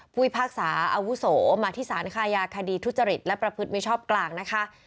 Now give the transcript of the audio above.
พิพากษาอาวุโสมาที่สารคายาคดีทุจริตและประพฤติมิชอบกลางนะคะ